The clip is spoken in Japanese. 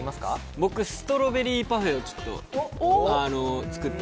僕はストロベリーパフェを作って。